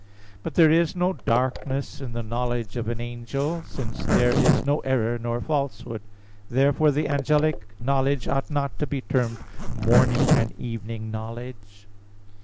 But there is no darkness in the knowledge of an angel; since there is no error nor falsehood. Therefore the angelic knowledge ought not to be termed morning and evening knowledge.